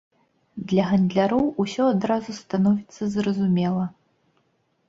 Для гандляроў усё адразу становіцца зразумела.